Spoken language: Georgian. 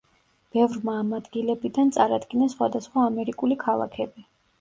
ბევრმა ამ ადგილებიდან წარადგინა სხვადასხვა ამერიკული ქალაქები.